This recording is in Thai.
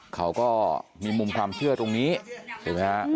เขาก็มีมุมความเชื่อตรงนี้เห็นไหมฮะ